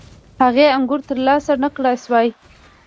هغې انګور ترلاسه نه کړای شول.